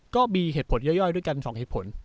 ก็มีเหตุผลย่อยด้วยกัน๒เหตุผล